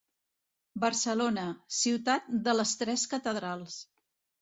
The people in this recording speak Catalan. Barcelona, ciutat de les tres catedrals.